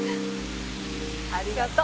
ありがとう。